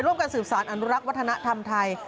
การสืบสารอนุรักษ์วัฒนธรรมไทย